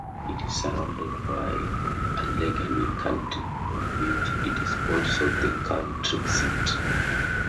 It is surrounded by Alleghany County, of which it is also the county seat.